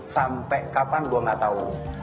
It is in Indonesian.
sampai kapan gua gak tau